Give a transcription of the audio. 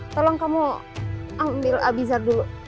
tolong kamu ambil abizar dulu